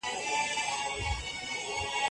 که عربي خبري کوئ نو پراخه مانا به يې درک کړئ.